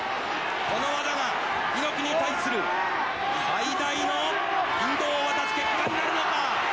この技が猪木に対する最大の引導を渡す結果になるのか。